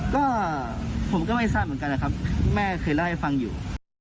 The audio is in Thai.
ก็ผมก็ไม่ทราบเหมือนกันนะครับแม่เคยเล่าให้ฟังอยู่